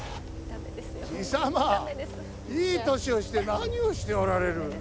爺様、いい年をして何をしておられる。